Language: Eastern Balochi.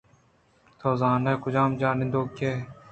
تو زاناں کُجام جاہ ءِ نِندوکے ئے؟